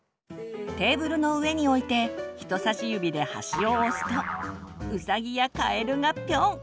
テーブルの上に置いて人さし指で端を押すとウサギやカエルがぴょん！